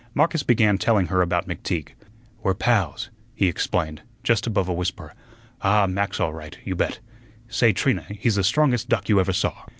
Marcus began telling her about McTeague. "We're pals," he explained, just above a whisper. "Ah, Mac's all right, you bet. Say, Trina, he's the strongest duck you ever saw.